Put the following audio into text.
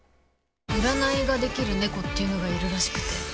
占いができる猫っていうのがいるらしくて。